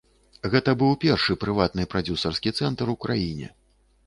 Гэты быў першы прыватны прадзюсарскі цэнтр у краіне.